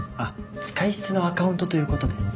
使い捨てのアカウントという事です。